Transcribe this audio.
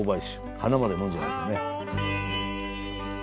花まで呑んじゃいますね。